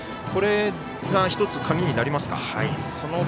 これが１つ鍵になりますか。